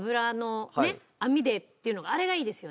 網でっていうのがあれがいいですよね。